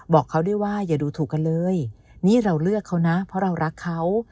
บอกเขาด้วยว่าอย่าดูถูกกันเลยนี่เราเลือกเขานะเพราะเรารักเขา